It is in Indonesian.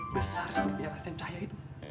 besar seperti lsm cahaya itu